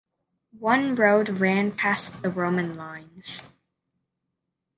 One road ran past the Roman lines.